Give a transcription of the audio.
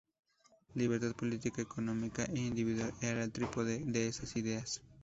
Libertad política, económica e individual era el trípode de esas ideas.